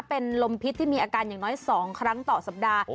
เป็นลมพิษที่มีอาการอย่างน้อย๒ครั้งต่อสัปดาห์